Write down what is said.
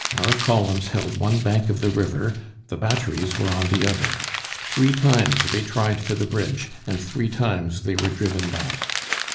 Our columns held one bank of the river, the batteries were on the other. Three times they tried for the bridge, and three times they were driven back.